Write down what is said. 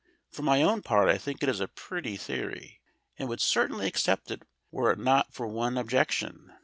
For my own part I think it a pretty theory, and would certainly accept it were it not for one objection.